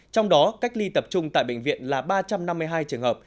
trong đó cách ly tập trung tại bệnh viện là ba trăm năm mươi hai trường hợp